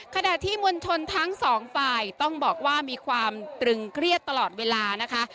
ขณะที่มวลชนทั้งสองฝ่ายต้องบอกว่ามีความตรึงเครียดตลอดเวลานะคะ